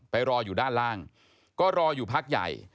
รออยู่ด้านล่างก็รออยู่พักใหญ่